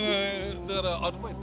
だからアルバイト。